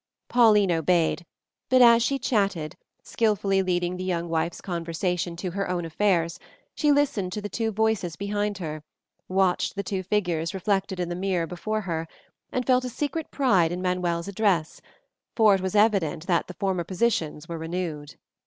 Pauline obeyed; but as she chatted, skillfully leading the young wife's conversation to her own affairs, she listened to the two voices behind her, watched the two figures reflected in the mirror before her, and felt a secret pride in Manuel's address, for it was evident that the former positions were renewed.